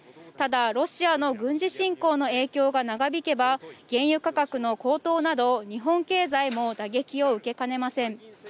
ただ、ロシアの軍事侵攻の影響が長引けば原油価格の高騰など、日本経済も打撃を受けかねません。